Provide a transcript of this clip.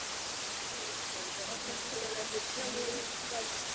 V prvním zápase finále vychytal čisté konto.